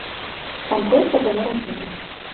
Там проста была размова.